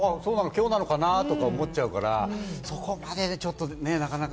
きょうなのかな？と思っちゃうから、そこまではなかなか。